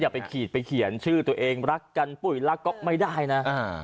ไปขีดไปเขียนชื่อตัวเองรักกันปุ๋ยรักก็ไม่ได้นะ